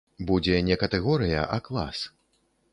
Будзе не катэгорыя, а клас.